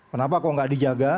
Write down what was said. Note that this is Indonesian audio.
kenapa kalau nggak dijaga